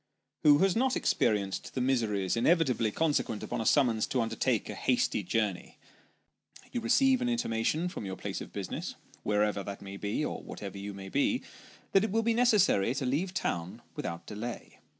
Who has not experienced the miseries inevitably consequent upon a summons to undertake a hasty journey ? You receive an intimation from your place of business wherever that may be, or whatever you may be that it will be necessary to leave town without delay.